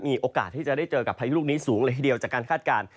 มีโอกาสที่จะได้เจอกับพายุลูกนี้สูงเลยทีเดียวจากการคาดการณ์